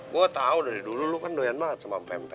gue tau dari dulu lu kan doyan banget sama pempek